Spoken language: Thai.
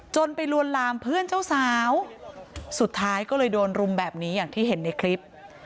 ไปลวนลามเพื่อนเจ้าสาวสุดท้ายก็เลยโดนรุมแบบนี้อย่างที่เห็นในคลิป